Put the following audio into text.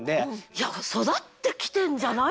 いや育ってきてんじゃない？